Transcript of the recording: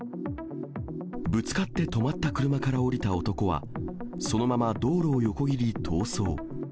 ぶつかって止まった車から降りた男は、そのまま道路を横切り逃走。